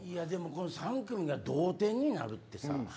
３組が同点になるってさ。